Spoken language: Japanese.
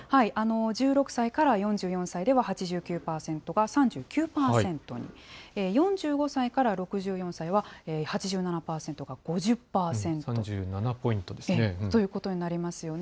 １６歳から４４歳では８９％が３９％に、４５歳から６４歳は、８７％が５３７ポイントですね。ということになりますよね。